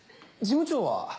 事務長は？